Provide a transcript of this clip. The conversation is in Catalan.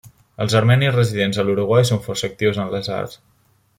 Els armenis residents a l'Uruguai són força actius en les arts.